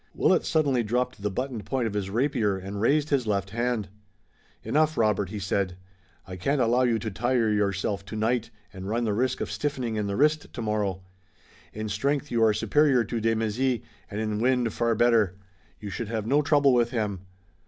Willet suddenly dropped the buttoned point of his rapier and raised his left hand. "Enough, Robert," he said, "I can't allow you to tire yourself tonight, and run the risk of stiffening in the wrist tomorrow. In strength you are superior to de Mézy, and in wind far better. You should have no trouble with him.